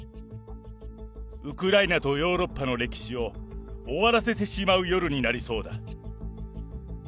ウクライナとヨーロッパの歴史を、終わらせてしまう夜になりそうだ。